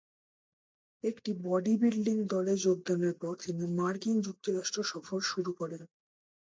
একটি বডিবিল্ডিং দলে যোগদানের পর, তিনি মার্কিন যুক্তরাষ্ট্র সফর শুরু করেন।